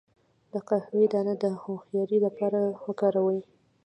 د قهوې دانه د هوښیارۍ لپاره وکاروئ